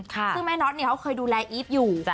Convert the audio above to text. ซึ่งแม่น็อตเนี่ยเค้าเคยดูแลอีฟอยู่